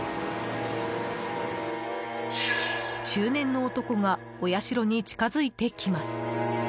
中年の男がお社に近づいてきます。